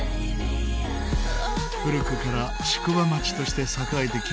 古くから宿場町として栄えてきました。